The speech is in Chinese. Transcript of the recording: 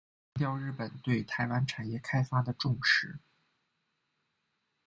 强调日本对台湾产业开发的重视。